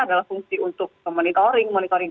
adalah fungsi untuk monitoring